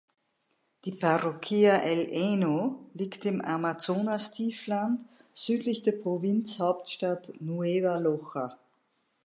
Die Parroquia El Eno liegt im Amazonastiefland südlich der Provinzhauptstadt Nueva Loja.